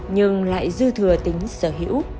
nhưng lại dư thừa tính sở hữu